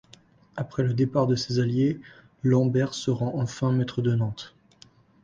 Après le départ de ses alliés, Lambert se rend enfin maître de Nantes.